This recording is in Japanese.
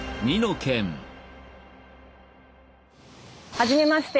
はじめまして。